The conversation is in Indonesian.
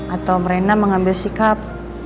atau rena mengambil sikap